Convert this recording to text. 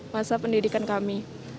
masa pendidikan kami